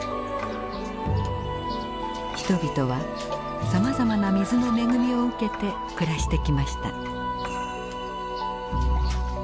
人々はさまざまな水の恵みを受けて暮らしてきました。